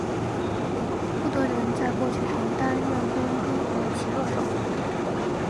库德人在过去常担任雇佣兵和骑射手。